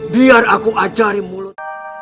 biar aku ajarin mulut